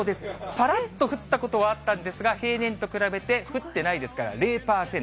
ぱらっと降ったことはあったんですが、平年と比べて降ってないですから、０％。